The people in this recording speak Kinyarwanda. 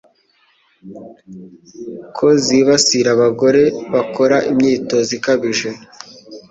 ko zibasira abagore bakora imyitozo ikabije